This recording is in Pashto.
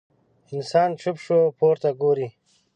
انسان چوپ شو، پورته ګوري.